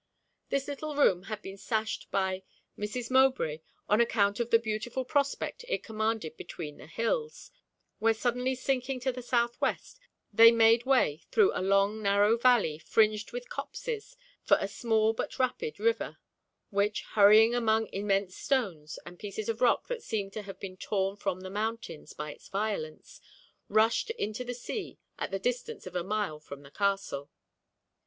This little room had been sashed by Mrs. Mowbray on account of the beautiful prospect it commanded between the hills, where suddenly sinking to the South West, they made way through a long narrow valley, fringed with copses, for a small but rapid river; which hurrying among immense stones, and pieces of rock that seemed to have been torn from the mountains by its violence, rushed into the sea at the distance of a mile from the castle.